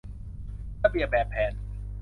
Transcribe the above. ระเบียบแบบแผน